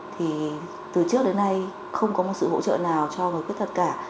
thì từ trước đến nay không có một sự hỗ trợ nào cho người khuyết tật cả